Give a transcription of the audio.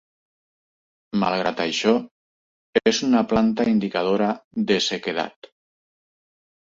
Malgrat això, és una planta indicadora de sequedat.